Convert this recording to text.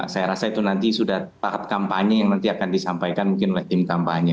saya rasa itu nanti sudah tahap kampanye yang nanti akan disampaikan mungkin oleh tim kampanye